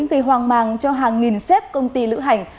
gây hoang mang cho hàng nghìn xếp công ty lữ hành